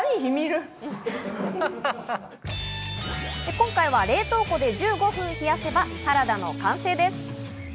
今回は冷凍庫で１５分冷やせばサラダの完成です。